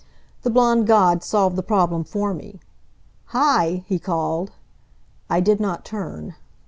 The blond god solved the problem for me. "Hi!" he called. I did not turn.